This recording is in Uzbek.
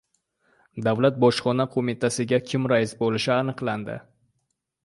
Davlat bojxona qo‘mitasiga kim rais bo‘lishi aniq bo‘ldi